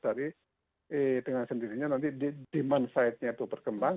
tapi dengan sendirinya nanti demand side nya itu berkembang